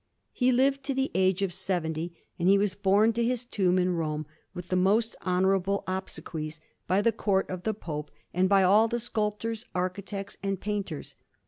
He lived to the age of seventy, and he was borne to his tomb in Rome, with most honourable obsequies, by the Court of the Pope and by all the sculptors, architects, and painters.